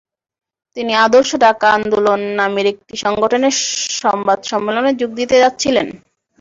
তিনি আদর্শ ঢাকা আন্দোলন নামের একটি সংগঠনের সংবাদ সম্মেলনে যোগ দিতে যাচ্ছিলেন।